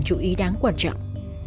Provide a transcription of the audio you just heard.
chú ý đáng quan trọng